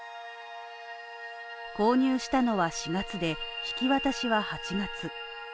購入したのは４月で、引き渡しは８月。